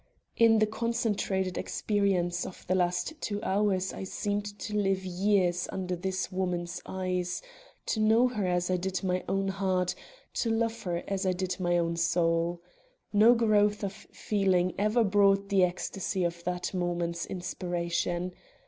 In the concentrated experience of the last two hours I seemed to live years under this woman's eyes; to know her as I did my own heart; to love her as I did my own soul. No growth of feeling ever brought the ecstasy of that moment's inspiration.